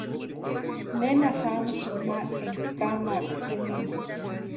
¿Nena jamasínki ma énka kamaaka tumina?